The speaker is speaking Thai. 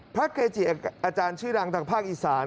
เกจิอาจารย์ชื่อดังทางภาคอีสาน